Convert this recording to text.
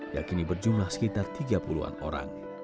yakini berjumlah sekitar tiga puluh an orang